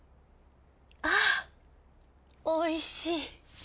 あおいしい。